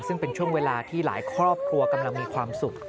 ซึ่งเป็นช่วงเวลาที่หลายครอบครัวกำลังมีความสุข